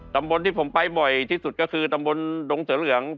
ตำบลที่ผมไปบ่อยที่สุดก็คือตำบลดงเสือเหลือง